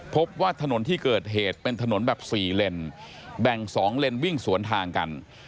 พบว่าถนนที่เกิดเหตุเป็นถนนแบบ๔เลนแบ่ง๒เลนวิ่งสวนทางกัน